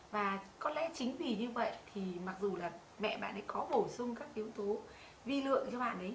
và có lẽ chính vì như vậy thì mặc dù là mẹ bạn ấy có bổ sung các yếu tố vi lượng cho bạn ấy